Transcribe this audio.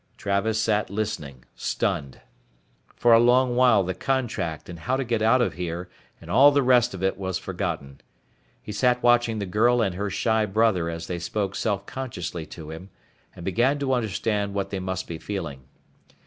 Travis sat listening, stunned. For a long while the contract and how to get out of here and all the rest of it was forgotten. He sat watching the girl and her shy brother as they spoke self consciously to him, and began to understand what they must be feeling.